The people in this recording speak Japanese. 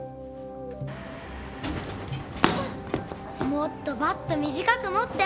もっとバット短く持って！